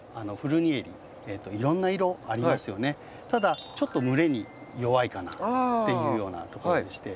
ただちょっと蒸れに弱いかなっていうようなところでして。